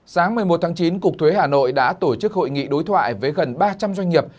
sáng một mươi một tháng chín cục thuế hà nội đã tổ chức hội nghị đối thoại với gần ba trăm linh doanh nghiệp